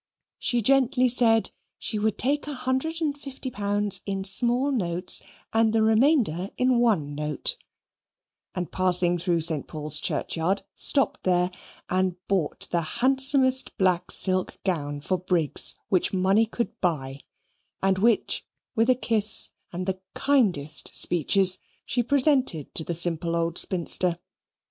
She gently said "she would take a hundred and fifty pounds in small notes and the remainder in one note": and passing through St. Paul's Churchyard stopped there and bought the handsomest black silk gown for Briggs which money could buy; and which, with a kiss and the kindest speeches, she presented to the simple old spinster.